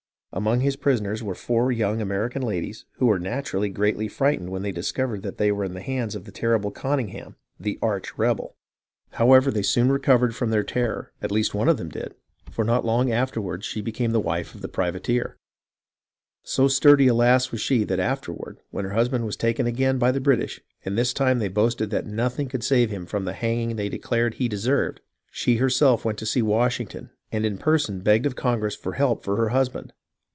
Among his pris oners were four young American ladies who were naturally greatly frightened when they discovered that they were in the hands of the terrible Conyngham, "the Arch Rebel." However, they soon recovered from their terror, at least one of them did, for not long afterward she became the PREPARING FOR A NEW CAMPAIGN 1 63 wife of the privateer. So sturdy a lass was she that after ward, when her husband was taken again by the British, and this time they boasted that nothing could save him from the hanging they declared he deserved, she herself went to see Washington and in person begged of Congress for help for her husband.